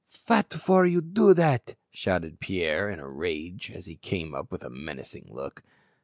"Fat for you do dat?" shouted Pierre in a rage, as he came up with a menacing look.